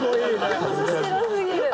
面白すぎる！